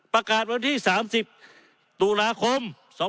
ประกาศวันที่๓๐ตุลาคม๒๕๖๒